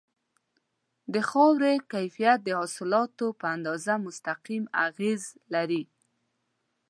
د خاورې کیفیت د حاصلاتو په اندازه مستقیم اغیز لري.